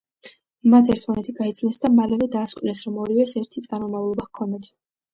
მათ ერთმანეთი გაიცნეს და მალევე დაასკვნეს, რომ ორივეს ერთი წარმომავლობა ჰქონდათ.